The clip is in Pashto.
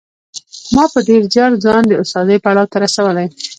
ما په ډېر زیار ځان د استادۍ پړاو ته رسولی